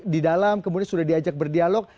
di dalam kemudian sudah diajak berdialog